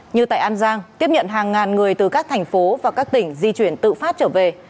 như tại an giang tiếp nhận hàng ngàn người từ các thành phố và các tỉnh di chuyển tự phát trở về